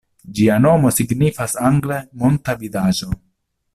Ĝia nomo signifas angle "monta vidaĵo".